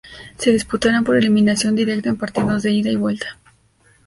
Se disputarán por eliminación directa en partidos de ida y vuelta.